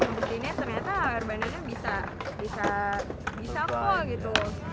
ngebutinnya ternyata iwer banana bisa kok gitu